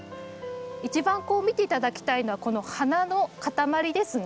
一番見て頂きたいのはこの花のかたまりですね。